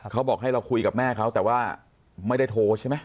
เขาบอกให้เราคุยกับแม่เขาแต่ว่าไม่ได้โทรใช่ไหม